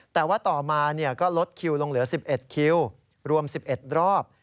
แต่ว่าต่อมาก็ลดคิวลงเหลือ๑๑คิวรวม๑๑รอบ